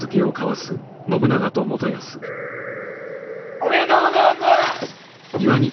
おめでとうごぜます！